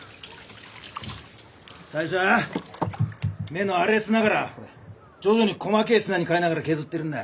最初は目の粗え砂からほれ徐々に細けえ砂に変えながら削ってるんだ。